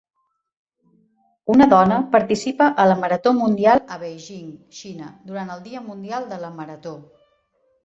Una dona participa a la marató mundial a Beijing, Xina durant el dia mundial de la marató